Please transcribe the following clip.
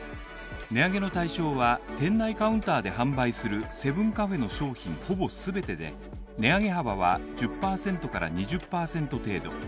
値上げの対象は、店内カウンターで販売するセブンカフェの商品ほぼ全てで、値上げ幅は１０％から２０％程度。